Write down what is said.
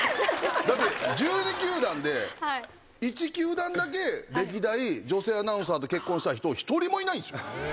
だって１２球団で１球団だけ歴代女性アナウンサーと結婚した人１人もいないんすよ。